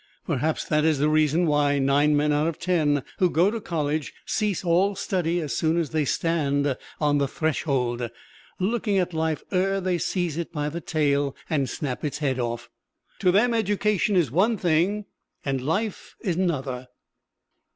Perhaps that is the reason why nine men out of ten who go to college cease all study as soon as they stand on "the threshold," looking at life ere they seize it by the tail and snap its head off. To them education is one thing and life another.